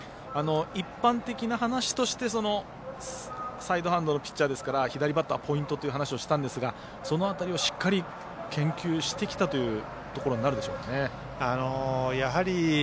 一般的な話としてサイドハンドのピッチャーですから左バッターはポイントという話をしたんですがその辺りをしっかり研究してきたというところになるでしょうか。